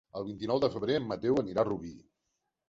El vint-i-nou de febrer en Mateu anirà a Rubí.